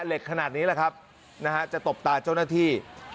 เหล็กขนาดนี้แหละครับนะฮะจะตบตาเจ้าหน้าที่